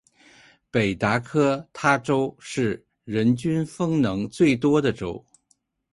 北达科他州是人均风能最多的州。